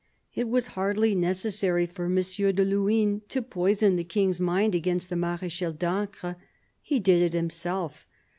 It was hardly necessary for M. de Luynes to poison the King's mind against the Marechal d'Ancre ; he did it himself.